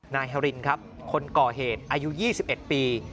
นายฮารินครับคนก่อเหตุอายุ๒๑ปี